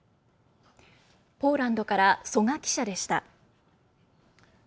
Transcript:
ポーランドから曽我記者でした。